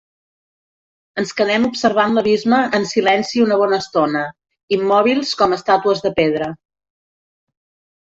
Ens quedem observant l'abisme en silenci una bona estona, immòbils com estàtues de pedra.